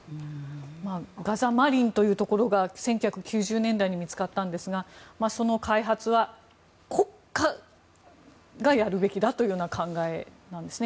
ガザ・マリンというところが１９９０年代に見つかったんですがその開発は国家がやるべきだという考えなんですね。